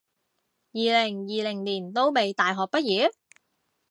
二零二零年都未大學畢業？